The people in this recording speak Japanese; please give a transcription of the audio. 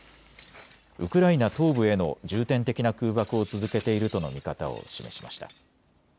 ウクライナ東部への重点的な空爆を続けているとの見方を示しました。